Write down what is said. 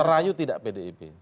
merayu tidak pdip